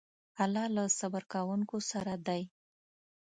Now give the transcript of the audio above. الله له صبر کوونکو سره دی.